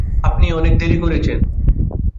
আপনি অনেক দেরি করেছেন!